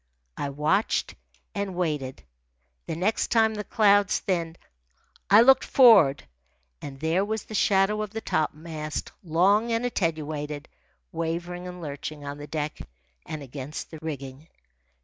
I watched and waited. The next time the clouds thinned I looked for'ard, and there was the shadow of the topmast, long and attenuated, wavering and lurching on the deck and against the rigging.